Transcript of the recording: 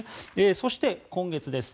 そして今月です。